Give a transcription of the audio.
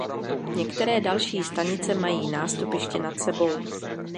Některé další stanice mají nástupiště nad sebou.